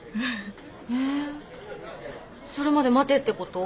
えそれまで待てってこと？